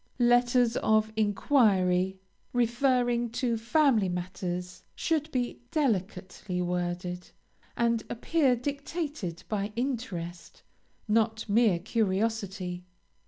Letters of enquiry, referring to family matters, should be delicately worded, and appear dictated by interest, not mere curiosity.